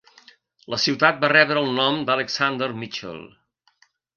La ciutat va rebre el nom d'Alexander Mitchell.